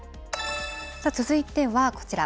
続いてはこちら。